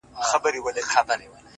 • هره شپه د یوه بل خوب ته ورتللو ,